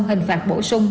hình phạt bổ sung